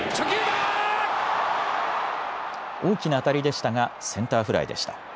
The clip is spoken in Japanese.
大きな当たりでしたがセンターフライでした。